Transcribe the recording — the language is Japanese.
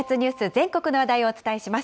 全国の話題をお伝えします。